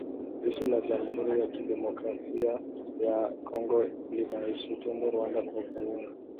Jeshi la Jamuhuri ya Demokrasia ya Kongo linaishutumu Rwanda kwa kuunga